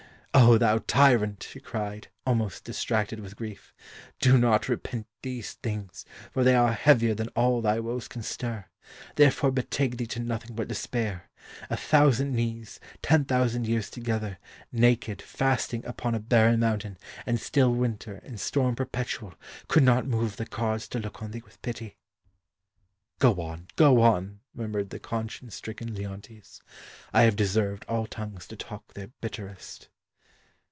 "O, thou tyrant!" she cried, almost distracted with grief. "Do not repent these things, for they are heavier than all thy woes can stir; therefore betake thee to nothing but despair. A thousand knees, ten thousand years together, naked, fasting, upon a barren mountain, and still winter, in storm perpetual, could not move the gods to look on thee with pity." "Go on, go on," murmured the conscience stricken Leontes. "I have deserved all tongues to talk their bitterest."